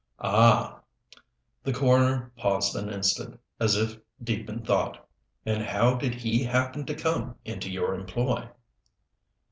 "Ah." The coroner paused an instant, as if deep in thought. "And how did he happen to come into your employ?"